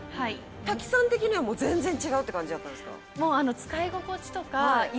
滝さん的には全然違うって感じやったんですか？